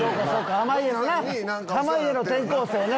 濱家の転校生ね